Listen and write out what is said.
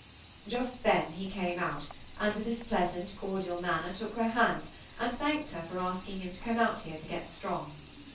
Just then he came out, and with his pleasant cordial manner took her hand, and thanked her for asking him to come out here to get strong.